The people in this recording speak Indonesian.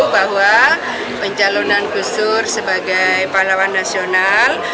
bahwa pencalonan gusdur sebagai pahlawan nasional